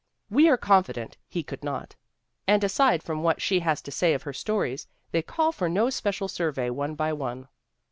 We are confident he could not. And aside from what she has to say of her v stories they call for no special survey one by one.